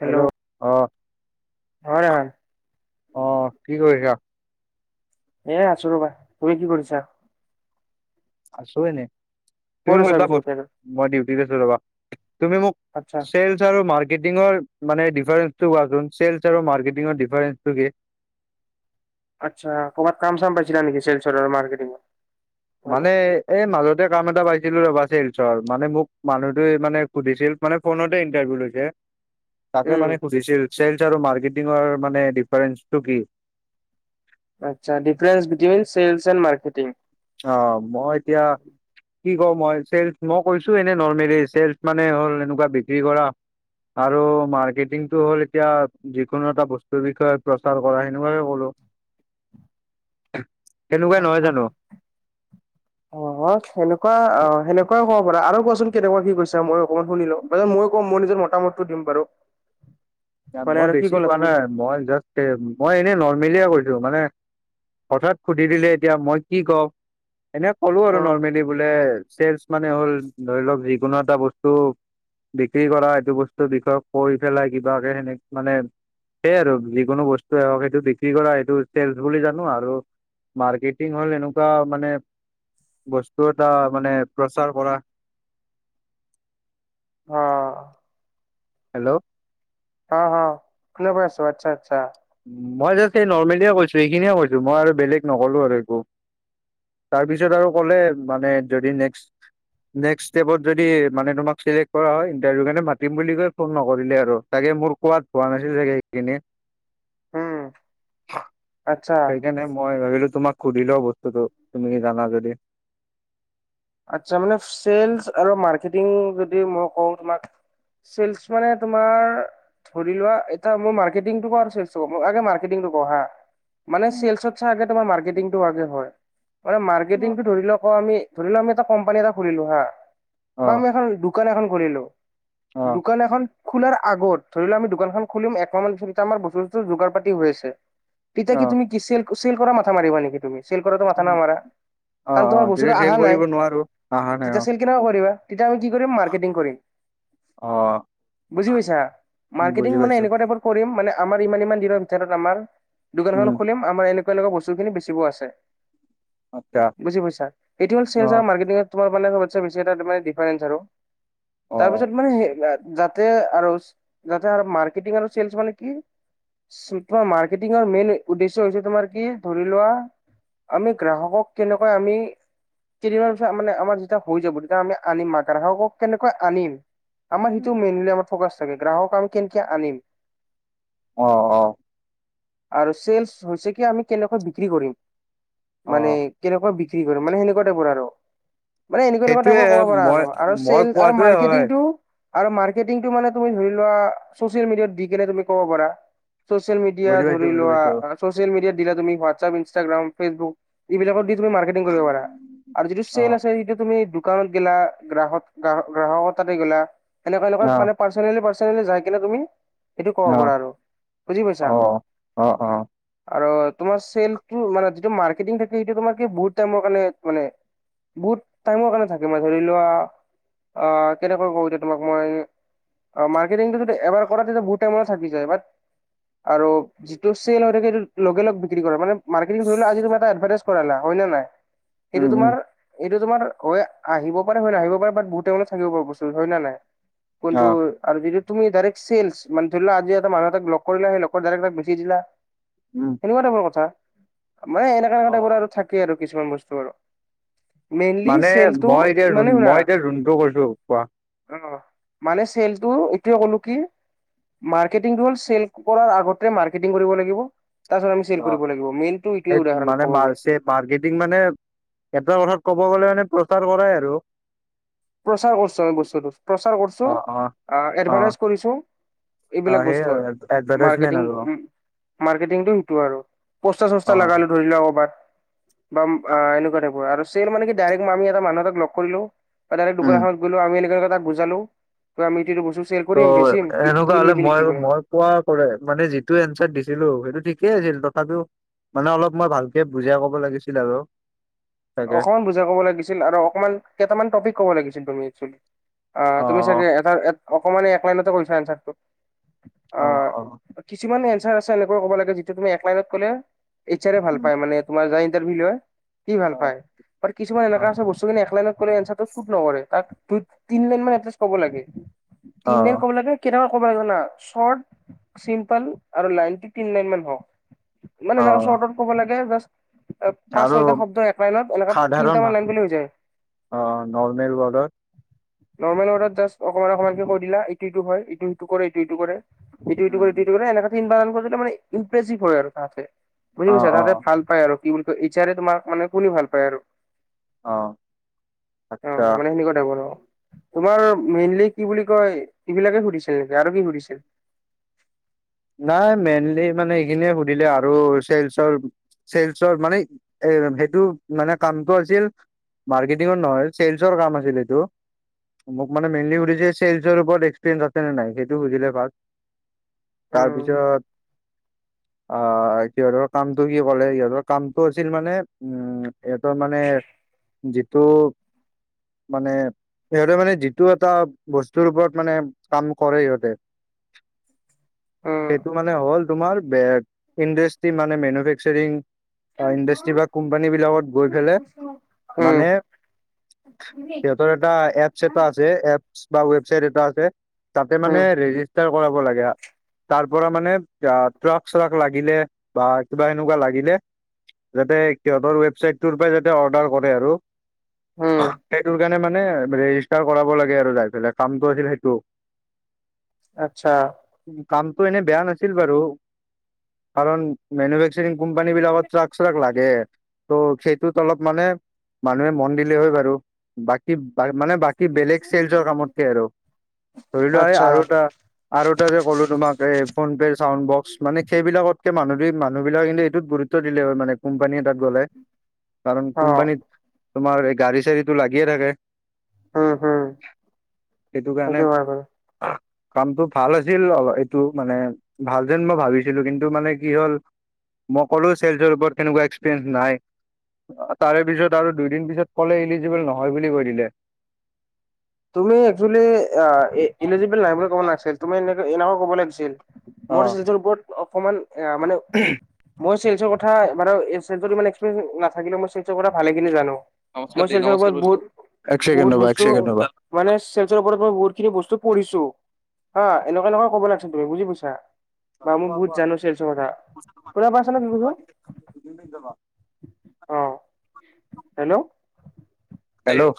Hello, অহ, অ ৰাহান অহ, কি কৰিছা? এ, আছো ৰবা, তুমি কি কৰিছা? আছো এনে, তুমি ক'ত আছা এটা পিছে বত, এতিয়া আৰু? মই ডিউটিত আছো ৰবা। তুমি মোক আচ্ছা চেলচ আৰু মাৰ্কেটিঙৰ মানে ডিফাৰেন্সটো কোৱাচোন, চেলছ আৰু মাৰ্কেটিঙৰ, ডিফাৰন্সটো কি? আচ্ছা ক'ৰবাত কাম- চাম পাইছিলা নেকি? চেলচৰ আৰু মাৰ্কেটিঙৰ। মানে এই মাজতে কাম এটা পাইছিলো ৰবা, চেলছৰ মানে মোক মানুহতোই, মানে সুধিছিল। মানে ফোনতে ইণ্টাৰভিউ লৈছে। তাকে উম মানে সুধিছিল, ছেলচ আৰু মাৰ্কেটিঙৰ মানে ডিফাৰেনচটো কি? আচ্ছা, difference between sales, and marketing. অ, মই এতিয়া কি, ক, মই চেল মই কৈছো এনে, নৰ্মেলি চেলচ মানে হ'ল এনেকুৱা বিক্ৰী কৰা। আৰু মাৰ্কেটিং টো হ'ল এতিয়া যিকোনো এটা বস্তুৰ বিষয়ে প্ৰচাৰ কৰা সেনেকুৱাকে ক'লো। সেনেকুৱাই নহয় জানো। অ অ সেনেকুৱা অ সেনেকোৱা কব পাৰা আৰু কোৱাচোন কেনেকুৱা কি কৰিছা মই অকমান শুনি লও। মানে মই কম মোৰ নিজ মটামতটো দিম বাৰু। [inaudible] মানে মই আৰু কি বেছি ক'লা কোৱা তুমি নাই মই জাষ্ট মই এনেই নৰ্মেলিয়ে কৈছো মানে। হঠাৎ সুধি দিলে এতিয়া মই কি কম এনে ক'লো অ আৰু নৰ্মেলি। বোলে ছেলচ মানে হ'ল ধৰি লওক যিকোনো এটা বস্তু। বিক্ৰী কৰা এইটো বস্তু বিষয়ে কৈ পেলাই কিবাকে সেনেক মানে। সেইয়ে আৰু যিকোনো বস্তুৱ হওক সেইটো বিক্ৰী কৰা সেইটো চেলচ বুলি জানো আৰু। মাৰ্কেটিং হল এনেকুৱা মানে বস্তু এটা মানে প্ৰচাৰ কৰা। অ। হেল্ল'। অ অ শুনা পাই আছো আচ্ছা আচ্ছা। মই জাষ্ট এই নৰ্মেলিয়ে কৈছো এইখিনিয়ে কৈছো মই আৰু বেলেগ নকলো আৰু একো। তাৰপিছত আৰু ক'লে মানে যদি নেক্স। নেক্সট ষ্টেপত যদি মানে তোমাক চিলেক্ট কৰা হয় ইটাৰভিউ কাৰনে মাতিম বুলি কৈ ফোন নকৰিলে আৰু তাকে মো। পোৱাত পোৱা নাছিলোঁ চাগে কিনে। উম আচ্ছা সেইকাৰণে মই ভাবিলো তোমাক সুধিলও বস্তুতটো তুমি জানা যদি। আচ্ছা মানে চেলছ আৰু মাৰ্কেটিং যদি মই কওঁ তোমাক। চেলচ মানে তোমাৰ। ধৰি লোৱা এটা মোৰ মাৰ্কেটিংটো [unintelligible] আগে মাৰ্কেটিংটো কও হা। মানে চেলছত চাগে তোমাৰ মাৰ্কিটো আগে হয় মানে অ মাৰ্কেটিংটো ধৰি ল ক আমি। ধৰিলো আমি এটা কোম্পানি এটা খুলিলো হা। বা আমি এখন দোকান এখন খুলিলো অ দোকান এখন। খোলাৰ আগত ধৰি লোৱা আমি দোকানখন খুলিম একমাহান পিছয়া আমাৰ বস্তুস্তু যোগাৰ পাতি হৈ আছে। তেতিয়া কি অ তুমি কি কিছিয়েল কুচিয়েল কৰা মাথা মাৰিবা নেকি তুমি চেল কৰাটো মথা নামাৰা অ কাৰণ অ তোমাৰ বস্তুতো তেতিয়া আ। ফেইল কৰিব নোৱাৰো আহা নাই অ। কেনাকা কৰিবা তেতিয়া আমি কি কৰিম মাৰ্কেটিং কৰিম। অ বুজি পাইছা মাৰ্কেটিং বুজি মানে পাইছো এনেকুৱা টাইপৰ। কৰিম মানে আমাৰ ইমান ইমান দিনৰ ভিতৰত আমাৰ উম দোকানএখন খুলিম। আমাৰ এনেকোৱা এনেকোৱা বস্তুখিনি বেচিব আছে আচ্ছা বুজি পাইছা, এইটো অ ছেলচ আৰু মা। [unintelligible] তোমাৰ মানে [unintelligible] দিফেৰেঞ্চ আৰু, অ পিছত মানে [unintelligible] যাত। তে আৰু যাতে আৰু মাৰ্কেটিং আৰু ছেলচ মানে কি। [inaudible] তোমাৰ মাৰ্কেটিঙৰ মেইন উদ্দেশ্য হৈছে তোমাৰ কি ধৰি লোৱা। আমি গ্ৰাহকক কেনেকৈ আমি। তিনিমা মান পিছত মানে আমাৰ যেতিয়া হৈ যাব তেতিয়া আমি আনিম গ্ৰাহকক কেনেকুৱা আনিম। আমাৰ সেইটো মেইনলি ফকাছ থাকে গ্ৰাহক আমি কেনেক আনিম। অ অ। আৰু চেলচ হৈছে কি আমি কেনেকৈ বিক্ৰী কৰিম। মানে অ কেনেকৈ বিক্ৰী কৰিম মানে সেনেকুৱা তাইপৰ আৰু। মানে এনেকুৱা এনেকুৱা সেইটোয়ে টাইপৰ ক'ব পাৰা মই আৰু আৰু মই চেল আৰু কোৱাটোৱে হয় মাৰ্কেটিংটো। আৰু মাৰ্কেটিংটো মানে তুমি ধৰি লোৱা ছচিয়েল মিডিয়াত দি কেলে তুমি ক'ব পাৰা। চ'চিয়েল মিডিয়া বুজি পাইছো বুজি ধৰিলোৱা পাইছো। ছ'চিয়েল মিডিয়াত দিলা তুমি হোৱাটশেপ ইনষ্টাগ্ৰাম ফেচবুক। এইবিলাক দি তুমি মৰ্কেটিং কৰিব পাৰা আৰু যিটো অ চেলচ আছে সেইটো তুমি। দোকানত গেলা গ্ৰাহক গ গ্ৰাহক তাতে গেলা সেনেকে অ এনেকুৱা মানে। পাৰ্চনেলি পাৰ্চনেলি যায় কিনে তুমি। এইটো কব অ পাৰ আৰু বুজি পাইছা। অ অ অ আৰু তোমাৰ চেলটো মানে যিটো মাৰ্কেটিং থাকে সেইটো তোমাৰ বহুত টাইমৰ কাৰণে মানে বহুত টাইমৰ কাৰণে থাকে মানে ধৰি লোৱা অ কেনেকৈ কওঁ এতিয়া তোমাক মই। মাৰ্কেটিংটো যদি এবাৰ কৰা তেতিয়া বহুত টাইমত চাৰ্ভিচ যায় বাট আৰু। যিটো চেল হৈ থাকে সেইটো লগে লগ বিক্ৰী কৰে মানে মাৰ্কেটিং ধৰিলোৱা আজি তামানে এটা এডভাৰটাইজ কৰালা হয় নে নাই। উম এইটো উম তোমাৰ এইটো তোমাৰ হয় আহিব পাৰে হয় নাহিব পাৰে বাট বহুত টাইম লৈকে থাকিব পাৰে বস্তু হয় নে নাই। অ কোনটো আৰু যদিটো তুমি ডাইৰেক্ট চেলছ মান ধৰি লোৱা আজি এটা মানুহ তাক লগ কৰিলা সেই লগকৰ ডাইৰেক্ট তাক বেছি দিলা। উম। এনেকুৱা টাইপৰ কথা মানে এনেকা অ এনকা টাইপৰ আৰু থাকেই আৰু কিছুমান বস্তু আৰু। মেইনলি মানে চেলটো মই এতিয়া মানে শুনা মই এতিয়া যোনটো কৈছো কোৱা অঁ' মানে চেলটো এইটোৱে ক'লো কি। মাৰ্কেটিংটো হ'ল চেল কৰাৰ আগতে মাৰ্কেটিং কৰিব লাগিব। তাৰপিছত আমি অ চেল কৰিব লাগিব মেইনটো সেই এইোৱেই উদাহৰণ মানে ক'ব গ'লে। মাৰ্কেটিং মানে এটা কথাত ক'ব গ'লে মানে প্ৰচাৰ কৰাই আৰু। প্ৰচাৰ কৰছো আমি বস্তুটো প্ৰচাৰ কৰছো অ অ আহ অ এডভাৰটাইজ কৰিছো। অ এইবিলাক সেই বস্তু আৰু এডভাৰটাইজমেন্ট মাৰ্কেটিং আৰু অ উম। মাৰ্কেটিংটো সেইটো আৰু পোষ্টাৰ অ চছষ্টাৰ লগালো ধৰি লোৱা কবাত। বাম আ এনেকুৱা টাইপৰ আৰু চেল মানে কি ডাইৰেক্ট আমি এটা মানুহ এটা লগ কৰিলো। ডাইৰেক্ট উম দোকানখনত গলো আমি এনেকে তাক বুজালো ত আমিটো বস্তু চেল ত' কৰিম বেছিম কি এনেকুৱা হলে কিনিবি মই নেকি পৰা। মই কোৱা কৰে মানে যিটো এনচাৰ দিছিলো সেইটো ঠিকেই আছিল তথাপিও মানে অলপ মই ভালকে বুজাই কব লাগিছিল আৰু। চাগে অকণমান বুজা ক'ব লাগিছিল আৰু অকণমান কেইটামান টপিক ক'ব লাগিছিল তুমি একেছলি। আহ অ তুমি চাগে এটা অকণমানে এক লাইনতে কৰিছা এনঞ্চাৰটো। অঁ' অঁ' কিছুমান এনঞ্চাৰ আছে এনেকুৱা কব লাগে যিটো তুমি এক লাইনত কলে এইচ আৰে ভাল উম, পাই মানে তোমাৰ গাড়ী ইন্টাৰভিউ লয় কি ভাল অ পায় আৰু কিছুমান অ এনেকা আছে বস্তুখিনি এক লাইনত কলে এনঞ্চাৰটো সুত নকৰে তাক তোইত তিন লাইন মান এটলিষ্ট কব লাগে অ তিন লাইন ক'ব লাগে। কেনেকা ক'ব লাগিব না চৰ্ট চিম্পল আৰু লাইন তিন লাইন মান হওক। মানে অ এনেকুৱা চৰ্টত কব লাগে যে এ পাচঁ আৰু ছয়টা শব্দ এক লাইনত এনেকা সাধাৰণ তিনটা মান ভাষা লাইন ক'লে হৈ যায়। অ নৰ্মেল ৱৰ্ডত নৰ্মেল ঘৰত জাষ্ট অকমান অকমানকে কৈ দিলা এইটো ইটো হয় এইটো সিটো কৰে এইটো ইটো কৰে। ইটো ইটো কৰি ইটো ইটো কৰি এনেক তিনবা মান কৰিলে মানে ইমপ্ৰেচিভ হয় আৰু তাহাঁতে। বুজি অ পাইছা অ তাতে ভাল পায় আৰু কি বুলি কয় এইচ আৰে তোমাক মানে কৰি ভাল পায় আৰু। অ আচ্ছা অঁ' মানে সনেকোৱা টাইপৰে আৰু। তোমাৰ মেইনলি কি বুলি কয়, এইবিলাকে সুধিছিল নেকি আৰু কি সুধিছিল? নাই মেইনলি মানে এইখিনিয়ে সুধিলে আৰু চেলচৰ চেলচৰ মানে এ সেইটো মানে কামটো আছিল। মাৰ্কেটিঙৰ নহয় চেলচৰ কাম আছিল এইটো। মোক মেইনলি সুধিছে চেলৰওপৰত এক্সপেৰিেঞ্চ আছে নে নাই সেইটো বুজিলে ভাল। উম, তাৰপিছত। আহ সিহঁতৰ কামটো কি কলে সিহঁতৰ কামটো আছিল মানে উম ইহঁতৰ মানে যিটো- মানে সিহঁতে মানে যিটো এটা বস্তুৰ ওপৰত মানে কাম কৰে সিহঁতে- উম, সেইটো মানে হ'ল, তোমাৰ বেদ ইণ্ডাষ্ট্ৰী মানে মেনোফেক্সাৰিং অঁ ইণ্ডাষ্ট্ৰী বা কোম্পানি বিলাকত- গৈ পেলে উম, মানে- [unintelligible] সিহঁতৰ এটা এপছ এটা আছে এপছ বা ৱেবছাইট এটা আছে। তাতে মানে উম, ৰেজিষ্টাৰ কৰাব লাগে আ- তাৰ পৰা মানে ট্ৰাক চ্ৰাক লাগিলে বা কিবা এনেকুৱা লাগিলে- যাতে সিহঁতৰ ৱেবচাইটো ৰ পৰাই যাতে অৰ্ডাৰ কৰে আৰু। উম, সেইটো কাৰণে মানে ৰেজিষ্টাৰ কৰাব লাগে আৰু যাই পেলাই কামটো আছিল সেইটো। আৎচ্ছা। কামটো এনেই বেয়া নাছিল বাৰু কাৰণ মেনুফেকচাৰিং কোম্পানী বিলাকত- ট্ৰাক চ্ৰাক লাগে। ত' সেইটোত অলপ মানে মানুহে মন দিলে হয় বাৰু বাকী বা মানে বা- কি বেলেগ চেলচৰ কামতকে আৰু ধৰি লোৱা এই আচ্ছা, আৰু এটা আৰু- সেইদিনা কলো তোমাক এ ফোন পে'ৰ চাউড বক্স মানে সেইবিলাকতকে মানু মানুহবিলাক কিন্তু এইটোত গুৰুত্ব দিলে হয় মানে। কোম্পানী এটাত গ'লে। কাৰণ অ', কোম্পানীত তোমাৰ এই গাড়ী চাড়ীটো লাগিয়ে থাকে। উম, উম, সেইটো কাৰণে হয় বাৰু। কামটো- ভাল আছিল অ এইটো মানে ভাল যেন মই ভাবিছিলো কিন্তু মানে কি হ'ল, - মই কলো চেলচৰওপৰত তেনেকুৱা এক্সপেৰিয়েঞ্চ নাই। অ তাৰে পিছত আৰু দুইদিন পিছত কলে ইলিজিবল নহয় বুলি কৈ দিলে। তুমি একচুৱেলি অ ইলিজিবল নাই বুলি ক'ব নাগিছিল তুমি এনেকাও ক'ব লাগিছিল। মোৰ অ ছেলছৰ ওপৰত অকমান আহ মানে উম' মই চেলচৰ কথা মানে ইক্সপ্ৰিয়েন্স নাথাকিলেও মই চেলচৰ কথা ভালেখিনি জানো। মই চেলচৰ ওপৰত বহুত এক বহুত ছেকেণ্ড ৰ'বা এক বস্তু- ছেকেণ্ড ৰ'বা মানে চেলচৰ ওপৰত মই বহুত খিনি বস্তু পঢ়িছো। হাঁ এনকা এনকা কব লাগি তুমি বুজি পাইছা? বা মই কোৱা বহুত কোৱা। জানো চেলচৰ কথা শুনা পাইছা না কি কৈছো? অঁ হেল্লৌ' হেল্লৌ'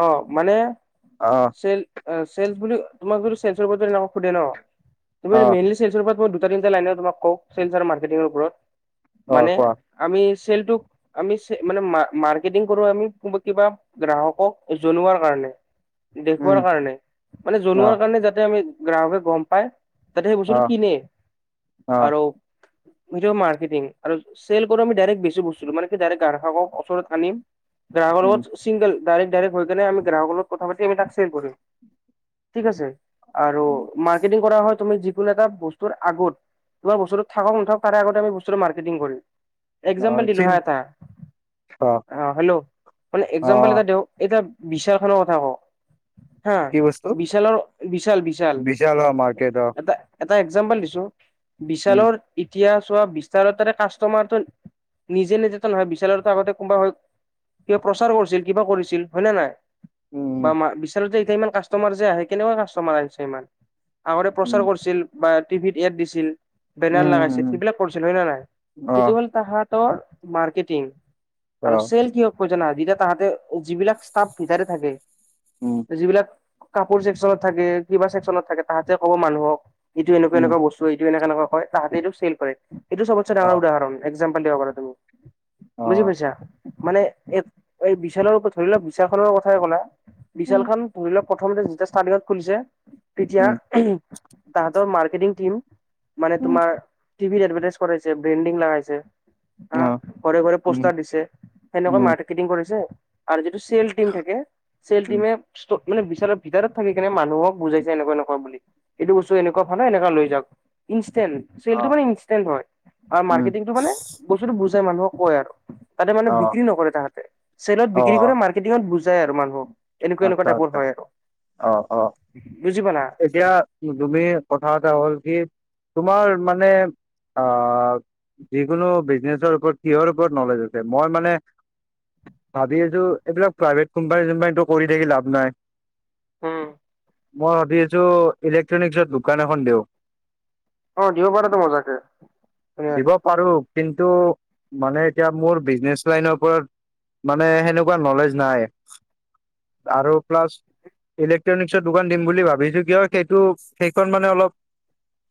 অঁ মানে, অঁ' চেলচ অঁ চেলচ বুলি মই কলো চেলচৰ কথা শুধে ন তুমি অ মেইনলি- চেলচৰ ওপৰত মই দুটা তিনিটা লাইনে তোমাক কওঁ চেলচ আৰু মাৰ্কিটিংৰ ওপৰত অ মানে- কোৱা আমি চেলটোক আমি মানে মাৰ্কেটিং কৰো আমি কিবা গ্ৰাহক- কক জনোৱাৰ কাৰণে উম দেখুৱাৰ কাৰণে মানে অ জনোৱাৰ কাৰণে যাতে আমি- গ্ৰাহকে গম পায় যাতে সেই অ বস্তুতটো কিনে অ আৰু- সেইটোও মাৰ্কেটিং আৰু চেলচ কৰা মই ডাইৰেক্ট বেছো বস্তুটো কি মানে ডাইৰেক্ট গ্ৰাহকক ওচৰত আনিম- গ্ৰাহকৰ উম লগত ছিংগল ডাইৰেক্ট ডাইৰেক্ট হৈ কেনে আমি গ্ৰাহকৰ লগত কথা পাতি আমি তাক চেল কৰিম। ঠিক আছে, আৰু মাৰ্কেটিং কৰা হয় তুমি যি- কোনো এটা বস্তুৰ আগত তোমাৰ বস্তুটো থাকক নথাকক তাৰে আগতে আমি বস্তুটো মাৰ্কেটিং কৰিম। অ একজাম্পল দিলো চিন হাঁ এটা অ অঁ হেল্লৌ মানে অ একজাম্পল এটা- এটা বিশালখনৰ কথা কওঁ। হা কি বস্তু বিশালৰ বিশাল বিশাল, অ মাৰ্কেট অ এটা এটা এক্জাম্পল দিছো। উম বিশালৰ এতিয়া চোৱা বিশালৰ তাৰে কাষ্টমাৰটো নিজে নিজেটো নহয় বিশালৰ তাৰ আগতে কোনোবা হয়- কিবা প্ৰচাৰ কৰিছিল কিবা কৰিছিল হয় নে নাই বা উম বিশালত যে এতিয়া ইমান কা কাষ্টমাৰ যে আহে, কেনেকুৱা কাষ্টমাৰ আহিছে ইমান, আগতে উম প্ৰচাৰ কৰিছিল বা টিভিত এড দিছিল। বেনাৰ উম লাগাইছিল উম সেইবিলাক কৰিছিল হয় নে নাই। অ সেইটো হ'ল তাহাতৰ মাৰ্কেটিং অ আৰু চেল কিহক কয় জানা যেতিয়া তাহাতে যিবিলাক ষ্টাফ ভিতৰে থাকে উম। যিবিলাক কাপোৰ চেকচনত থাকে কিবা চেকচনত থাকে, তাহাতে ক'ব মানুহক এইটো এনেকুৱা উম এনেকুৱা বস্তু। এইটো এনেকা এনেকা কয়, তাহাতি এইটো ছেল কৰে, এইটো সবচে অ ডাঙৰ উদাহৰণ একজাম্পল দিব পাৰা তুমি। অ বুজি পাইছা মানে এ এই বিশালৰ, ধৰি লওক বিশালখনৰ কথাই কলা। বিশাল উম খন পহিলা প্ৰথমতে যেতিয়া ষ্টাৰটিঙত খুলিছে তেতিয়া উম তাহতৰ মাৰ্কেটিং টিম, মানে উম তোমাৰ টিভিত এডভাৰটাইজ কৰাইছে ব্ৰেণ্ডিং লগাইছে। হা অ ঘৰে ঘৰে উম পোষ্টাৰ দিছে, উম সেনেকুৱা মাৰ্কেটিং কৰিছে। আৰু যিটো চেল টিম থাকে চেল উম টিমে মানে বিশালৰ ভিতৰত থাকি কেনে মানুহক বুজাইছে এনেকুৱা এনেকুৱা বুলি। এইটো বস্তু এনেকুৱা ভালে এনেকা লৈ যাওক, ইনষ্টেণ্ট। অ চেলছটো মানে ইনচটেণ্ট হয়, উম মাৰ্কেটিঙটো মানে বস্তুটো বুজাই মানুহক কয় আৰু। তাতে মানে অ বিক্ৰী নকৰে তাহাঁতে, চেলত অ বিক্ৰী কৰে মাৰ্কেটিঙত বুজাই আৰু মানুহক। এনেকুৱা এনেকুৱা আচ্ছা টাইপৰ আচ্ছা হয় আৰু অ অ বুজি পালা। এতিয়া তুমি কথা এটা হ'ল কি? তোমাৰ মানে, আহ যিকোনো বিজনেছৰ ওপৰত কিহৰ ওপৰত নলেজ আছে! মই মানে ভাবি আছো এইবিলাক প্ৰাইভেট কোম্পানী চোম্পানীটো কৰি থাকি লাভ নাই। হম। মই ভাবি আছো ইলেক্ট্ৰনিকছৰ দোকান এখন দিওঁ। অ, দিব পাৰটো মজাকে দিব ধুনীয়াকে। পাৰো কিন্তু মানে এতিয়া মোৰ বিজনেছ লাইনৰ ওপৰত মানে সেনেকুৱা নলেজ নাই। আৰু প্লাছ ইলেকট্ৰনিকছৰ দোকান দিম বুলি ভাবিছো কিয় সেইটো সেইখন মানে অলপ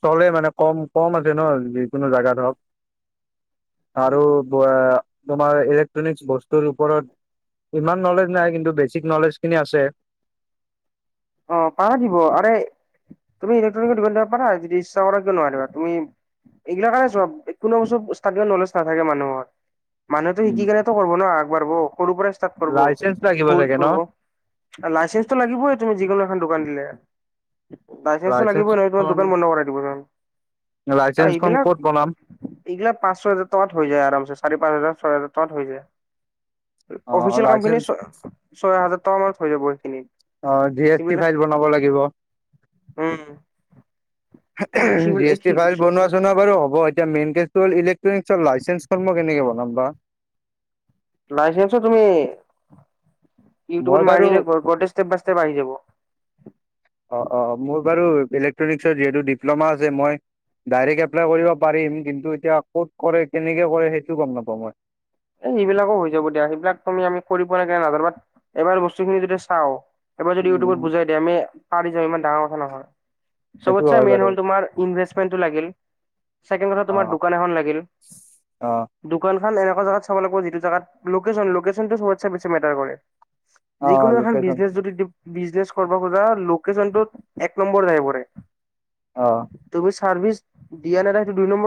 চলে মানে, কম- কম আছে ন যিকোনো জাগাত হ‌ওঁক। আৰু উম [unintelligible] তোমাৰ ইলেক্ট্ৰনিক বস্তুৰ ওপৰত ইমান নলেজ নাই কিন্তু বেচিক নলেজ খিনি আছে। অ পাৰা দিব আৰে তুমি ইলেক্ট্ৰনিকৰ দোকান দিব পাৰা যদি ইচ্ছা কৰা কিয় নোৱাৰিবা তুমি। এইগিলাক কাৰণে চপ, কোনো বস্তু ষ্টাৰ টিঙত নলেজ নাথাকে মানুহৰ। মানুহেতটো শিকিগলে কৰিব ন আগবাঢ়ব সৰু পৰাই ষ্টাৰ্ট কৰিব লাইচেন্স লাগিব চাগে ন ভুল লাইচেন্ঞ্চটো লাগিবই তুমি যিকোনো এখন দোকান দিলে। লাইচেঞ্চটো লাগিবই নহয় তোমাৰ লাইচেন্সখন দোকান বন্ধ কৰাই দিব নহ'লে। লাইচেন্ঞ্চখন ক'ত বনাম? এইগিলাক পাঁচ ছয় হাজাৰ টকাত হৈ যায় আৰাম চে চাৰি পাঁচ হাজাৰ ছয় হাজাৰ টকাত হৈ যায়। অ অফিচিয়েল কাম খিনি, লাইচেন্স ছয় হাজাৰ টকা মানত হৈ যাব সেইখিনি। অ' জি এছ টি সেইবিলাক ফাইল বনাব লাগিব। উম জি এছ টি ফাইল বনোৱা চনোৱা। বাৰু হব এতিয়া মেইন কেছটো হ'ল, ইলেক্ট্ৰনিকৰ লাইছেঞ্চখন মই কেনেকে বনাম বা। লাইচেন্সো তুমি মই ইউটিউবত বাৰু মাৰি দিলে গোটেই ষ্টেপ বাই ষ্টেপ আহি যাব। অ' অ' মোৰ বাৰু ইলেক্ট্ৰনিক্সৰ যিহেতু ডিপ্ল'মা আছে মই। ডাইৰেক্ট এপ্লাই কৰিব পাৰিম কিন্তু এতিয়া ক'ত কৰে কেনেকে কৰে সেইটো গম নাপাওঁ মই। এই সেইবিলাকো হৈ যাব দিয়া সেইবিলাক তুমি আমি কৰিব লাগে নাজানো বাত এবাৰ বস্তুখিনি যদি চাওঁ। এবাৰ যদি উম ইউটিউবত উম বুজাই দিয়ে আমি পাৰি যাম ইমান ডাঙৰ কথা নহয়। সবত সেইটো ছে হয় মেইন বাৰু হল তোমাৰ ইনভেষ্টমেণ্টটো লাগিল। ছেকেন কথা অ তোমাৰ দোকান এখন লাগিল অ দোকান খন এনেকুৱা জাগাত। তোমালোকে যিটো জাগাত লোকেছন লোকেছনটো সবতকৈ বেছি মেটাৰ কৰে। অ যিকোনো এখন লোকেশ্যন বিজনে যদি বিজনেছ কৰিব খোজা লোকেশচনটোত এক নম্বৰ ৰাখিব দে। অ তুমি চাৰ্ভিচ দিয়া নে নাই ইটো দুই নম্বৰ।